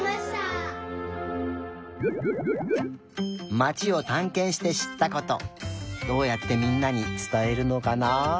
まちをたんけんしてしったことどうやってみんなにつたえるのかな？